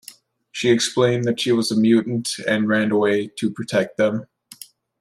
She explained that she was a mutant, and ran away to protect them.